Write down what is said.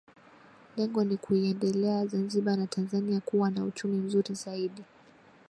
Lengo ni kuiendeleza Zanzibar na Tanzania kuwa na uchumi mzuri zaidi